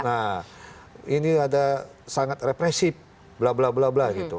nah ini ada sangat represif bla bla bla bla gitu